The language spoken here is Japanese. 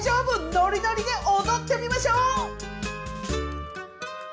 ノリノリで踊ってみましょう！